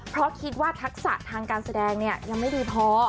เพราะคิดว่าทักษะทางการแสดงเนี่ยยังไม่ดีพอ